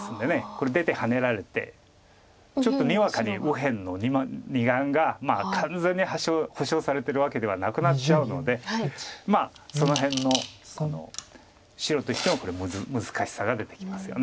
これ出てハネられてちょっとにわかに右辺の２眼が完全に保証されてるわけではなくなっちゃうのでまあその辺の白としても難しさが出てきますよね。